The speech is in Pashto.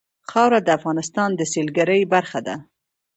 خاوره د افغانستان د سیلګرۍ برخه ده.